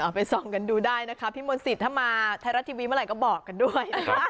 ไปส่องกันดูได้นะคะพี่มนต์สิทธิ์ถ้ามาไทยรัฐทีวีเมื่อไหร่ก็บอกกันด้วยนะคะ